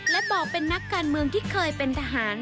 และบอกเป็นนักการเมืองที่เคยเป็นทหาร